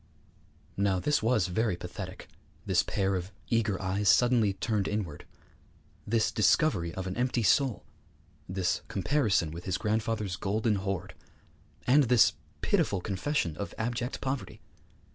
_' Now this was very pathetic, this pair of eager eyes suddenly turned inward; this discovery of an empty soul; this comparison with his grandfather's golden hoard; and this pitiful confession of abject poverty.